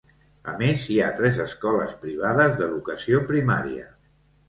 A més, hi ha tres escoles privades d'educació primària.